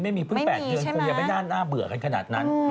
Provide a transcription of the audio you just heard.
ไม่มีไม่มีเพิ่งแปดเดือนคุณอย่าไปน่าเบื่อขนาดนั้น